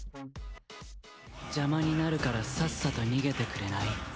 邪魔になるからさっさと逃げてくれない？